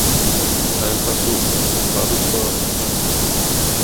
ایا ستاسو باروت به لوند نه شي؟